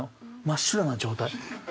真っ白な状態。